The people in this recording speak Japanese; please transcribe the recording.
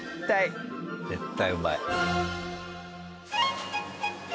絶対うまい。